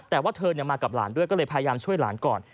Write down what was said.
แต่ว่าเธอมากับหลานด้วยก็เลยพยายามช่วยหลานก่อน